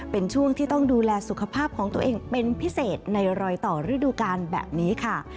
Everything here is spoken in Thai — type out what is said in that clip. เป็นช่วงที่ต้องดูแลสุขภาพของตัวเองเป็นพิเศษในรอยต่อฤดูกาลแบบนี้ค่ะ